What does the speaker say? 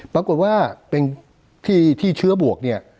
ปรากฏว่าที่เชื้อบวก